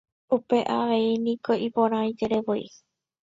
Upéi avei niko ipo'aitereivoi.